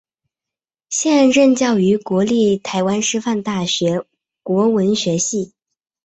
现任教于国立台湾师范大学国文学系。